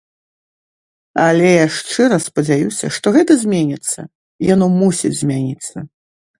Але я шчыра спадзяюся, што гэта зменіцца, яно мусіць змяніцца.